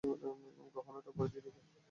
গ্রহাণুটার পরিধি দেখো!